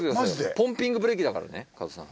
ポンピングブレーキだからね加藤さん。